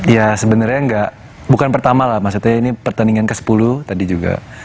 ya sebenarnya enggak bukan pertama lah maksudnya ini pertandingan ke sepuluh tadi juga